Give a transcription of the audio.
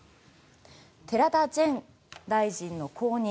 寺田前大臣の後任